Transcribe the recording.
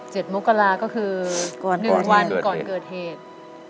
เจ็ดมกราห์ก็คือ๑วันก่อนเกิดเหตุ